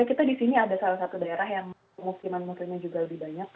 kita di sini ada salah satu daerah yang musliman muslimnya juga lebih banyak